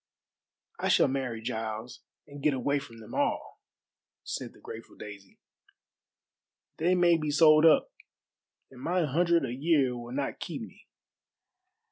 "I shall marry Giles and get away from them all," said the grateful Daisy. "They may be sold up, and my hundred a year will not keep me.